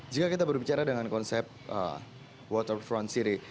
jika kita berbicara dengan konsep waterfront city